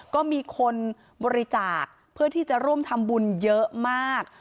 ก็มีคนบริจาคเพื่อที่จะร่วมทำบุญเยอะมาก